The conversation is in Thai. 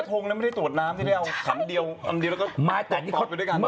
มีกระทงนั้นไม่ได้ตรวจน้ำที่แล้วครั้งเดียวอันเดียวก็ปลอบไปด้วยกัน